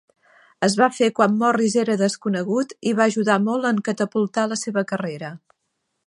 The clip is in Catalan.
Es va fer quan Morris era desconegut i va ajudar molt en catapultar la seva carrera.